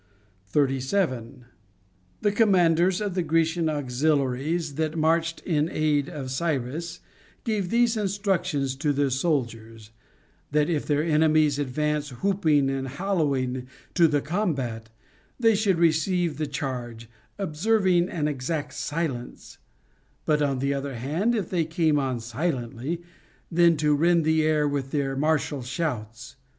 37. The commanders of the Grecian auxiliaries that marched in aid of Cyrus gave these instructions to their soldiers, that, if their enemies advanced whooping and hal lowing to the combat, they should receive the charge, observing an exact silence ; but on the other side, if they came on silently, then to rend the air with their martial shouts.